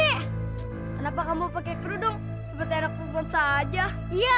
hai aduh kali ini ngagetin aja sih kenapa kamu pakai kru dong seperti anak perempuan saja iya